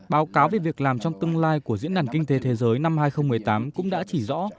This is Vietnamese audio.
báo cáo về việc làm trong tương lai của diễn đàn kinh tế thế giới năm hai nghìn một mươi tám cũng đã chỉ rõ